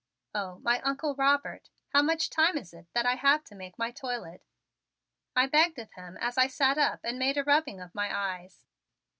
"Oh, my Uncle Robert, how much time is it that I have to make my toilet?" I begged of him as I sat up and made a rubbing of my eyes.